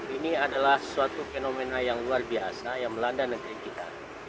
ini adalah suatu fenomena yang luar biasa yang melanda negeri kita